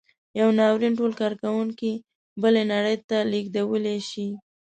یو ناورین ټول کارکوونکي بلې نړۍ ته لېږدولی شي.